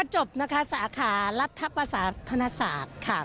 จบนะคะสาขารัฐภาษาธนศาสตร์ค่ะ